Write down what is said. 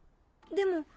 でも。